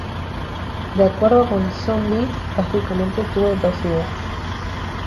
De acuerdo con Zombie: "básicamente, tuve dos ideas.